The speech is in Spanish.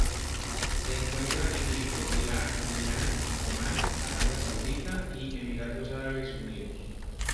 Se encuentra en Egipto Irak Irán Omán Arabia Saudita y Emiratos Árabes Unidos.